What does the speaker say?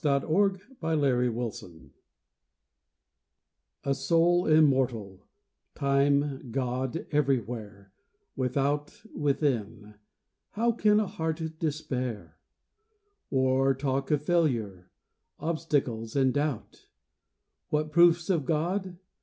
LOVE, TIME, AND WILL A soul immortal, Time, God everywhere, Without, within—how can a heart despair, Or talk of failure, obstacles, and doubt? (What proofs of God?